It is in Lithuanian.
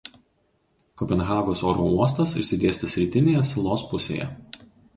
Kopenhagos oro uostas išsidėstęs rytinėje salos pusėje.